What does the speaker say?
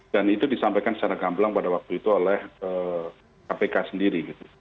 itu disampaikan secara gamblang pada waktu itu oleh kpk sendiri